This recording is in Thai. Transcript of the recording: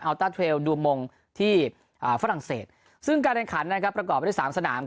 ต้าเทรลดูมงที่ฝรั่งเศสซึ่งการแข่งขันนะครับประกอบไปด้วยสามสนาม